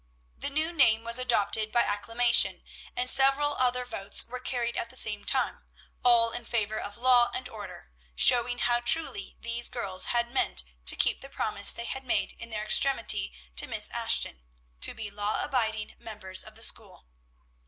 The new name was adopted by acclamation, and several other votes were carried at the same time, all in favor of law and order, showing how truly these girls had meant to keep the promises they had made in their extremity to Miss Ashton, to be law abiding members of the school.